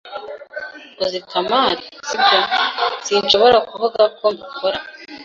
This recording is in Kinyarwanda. "Uzi Kamari, si byo?" "Sinshobora kuvuga ko mbikora."